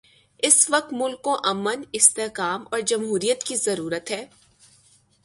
اس وقت ملک کو امن، استحکام اور جمہوریت کی ضرورت ہے۔